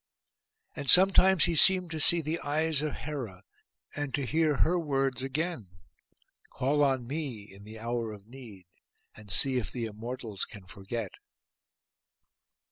And sometimes he seemed to see the eyes of Hera, and to hear her words again—'Call on me in the hour of need, and see if the Immortals can forget.